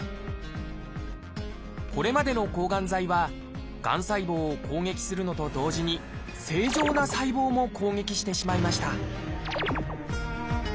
これまでの抗がん剤はがん細胞を攻撃するのと同時に正常な細胞も攻撃してしまいました